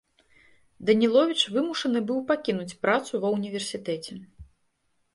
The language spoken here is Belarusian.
Даніловіч вымушаны быў пакінуць працу ва універсітэце.